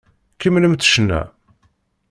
Kemmlemt ccna!